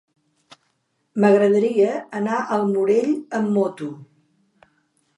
M'agradaria anar al Morell amb moto.